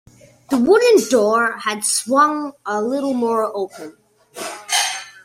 The wooden door had swung a little more open.